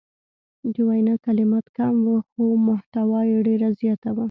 د وینا کلمات کم وو خو محتوا یې ډیره زیاته وه.